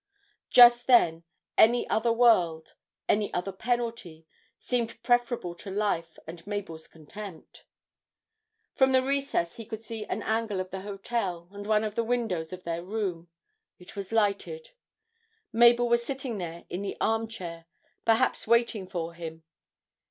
Just then any other world, any other penalty, seemed preferable to life and Mabel's contempt! From the recess he could see an angle of the hotel, and one of the windows of their room. It was lighted; Mabel was sitting there in the arm chair, perhaps waiting for him.